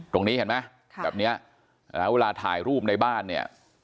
ตรงนี้เห็นไหมแบบเนี้ยแล้วเวลาถ่ายรูปในบ้านเนี่ย